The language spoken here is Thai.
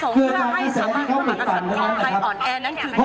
คือท่านกระแสที่เขาปรุดฝันกันนะครับ